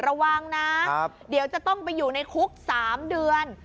ระวังนะเดี๋ยวจะต้องไปอยู่ในคุก๓เดือน